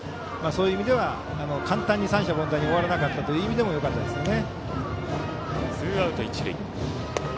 そういう意味では簡単に三者凡退に終わらなかったという意味でもよかったですね。